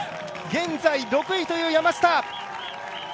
現在６位という山下！